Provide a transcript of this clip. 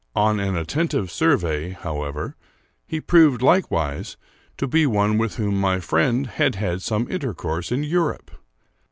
On an attentive survey, how ever, he proved, likewise, to be one with whom my friend had had some intercourse in Europe.